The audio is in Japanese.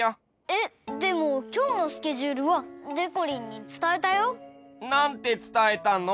えっでもきょうのスケジュールはでこりんにつたえたよ。なんてつたえたの？